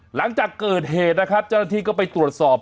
หลังจากเกิดเหตุนะครับเจ้าหน้าที่ก็ไปตรวจสอบ